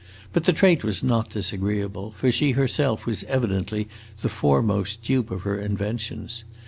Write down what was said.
But the trait was not disagreeable, for she herself was evidently the foremost dupe of her inventions.